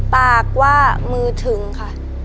ปากว่ามือถึงค่ะ